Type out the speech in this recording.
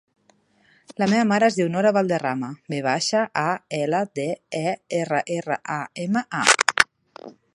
La meva mare es diu Nora Valderrama: ve baixa, a, ela, de, e, erra, erra, a, ema, a.